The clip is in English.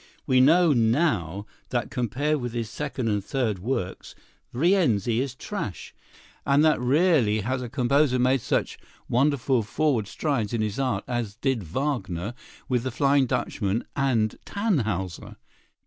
We know now that compared with his second and third works "Rienzi" is trash, and that rarely has a composer made such wonderful forward strides in his art as did Wagner with "The Flying Dutchman" and "Tannhäuser."